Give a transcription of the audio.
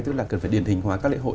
tức là cần phải điền hình hóa các lễ hội